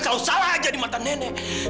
salah salah aja di mata nenek